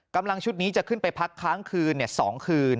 กำลังชุดนี้จะขึ้นไปพักค้างคืน๒คืน